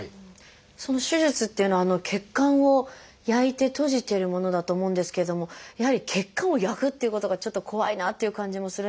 その手術っていうのは血管を焼いて閉じてるものだと思うんですけれどもやはり血管を焼くということがちょっと怖いなっていう感じもするんですが。